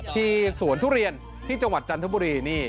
ที่สวนทุเรียนที่จังหวัดจันทบุรีนี่